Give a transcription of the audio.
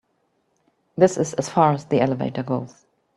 This is as far as the elevator goes.